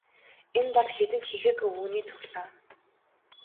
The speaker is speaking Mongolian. Энэ бол хэдэн хэнхэг өвгөний цуглаан.